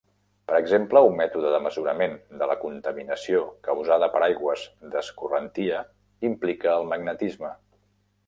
Per exemple, un mètode de mesurament de la contaminació causada per aigües d'escorrentia, implica el magnetisme.